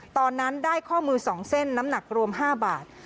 ตอนนั้นได้ข้อมือ๒เส้นน้ำหนักรวม๕บาท